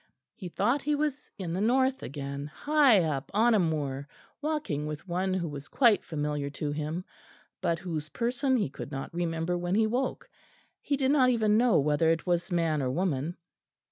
He thought he was in the north again, high up on a moor, walking with one who was quite familiar to him, but whose person he could not remember when he woke; he did not even know whether it was man or woman.